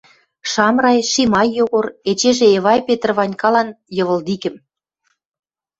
Шамрай, Шимай Йогор, эчежӹ Эвай Петр Ванькалан — йывылдикӹм!